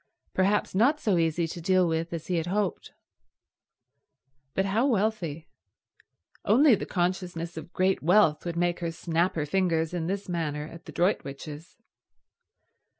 Perhaps not so easy to deal with as he had hoped. But how wealthy. Only the consciousness of great wealth would make her snap her fingers in this manner at the Droitwiches.